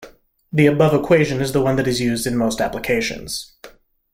The above equation is the one that is used in most applications.